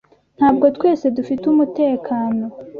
Ntabwo twese dufite umutekano.